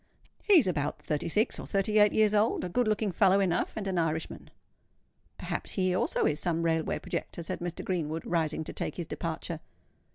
He is about thirty six or thirty eight years old, a good looking fellow enough, and an Irishman." "Perhaps he also is some railway projector," said Mr. Greenwood, rising to take his departure.